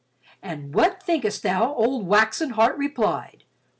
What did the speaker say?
And what thinkest thou old 'waxen heart' replied?